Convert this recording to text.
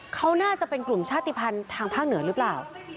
เขาน่าจะเป็นกลุ่มชาติภัณฑ์ทางภาคเหนือหรือเปล่า